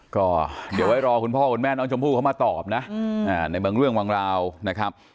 ก็เดี๋ยวไว้รอคุณพ่อคุณแม่น้องชมพู่เขามาตอบนะในบางเรื่องบางราวนะครับ